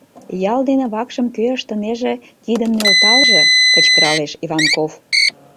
— Ял дене вакшым кӧ ыштынеже, кидым нӧлталже, — кычкыралеш Иванков.